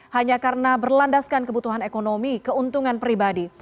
hanya karena berlandaskan kebutuhan ekonomi keuntungan pribadi